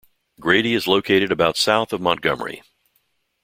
Grady is located about south of Montgomery.